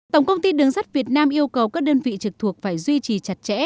tổng công ty đường sắt việt nam yêu cầu các đơn vị trực thuộc phải duy trì chặt chẽ